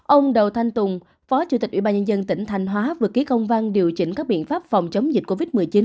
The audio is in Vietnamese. ông đầu thanh tùng phó chủ tịch ủy ban nhân dân tỉnh thanh hóa vừa ký công văn điều chỉnh các biện pháp phòng chống dịch covid một mươi chín